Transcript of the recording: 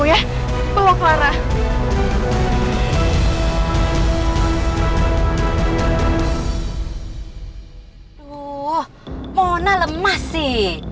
aduh mona lemah sih